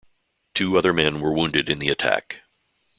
Two other men were wounded in the attack.